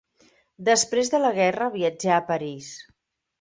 Després de la guerra viatjà a París.